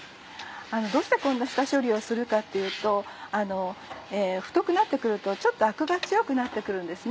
どうしてこんな下処理をするかっていうと太くなって来るとちょっとアクが強くなって来るんです。